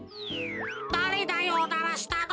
だれだよおならしたの？